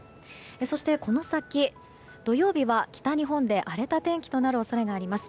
そして、この先土曜日は北日本で荒れた天気となる恐れがあります。